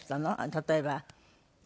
例えば。